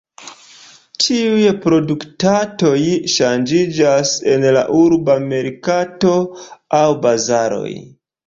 Tiuj produktoj ŝanĝiĝas en la urba merkato aŭ bazaroj.